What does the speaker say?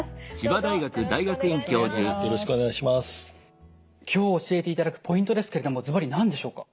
今日教えていただくポイントですけれどもずばり何でしょうか？